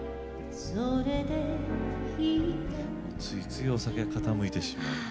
ついついお酒が傾いてしまう。